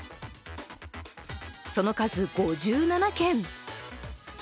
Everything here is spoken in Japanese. その数５７件。